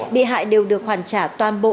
bị hại đều được hoàn trả toàn bộ